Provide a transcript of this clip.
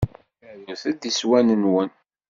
Arut-d iswan-nwen.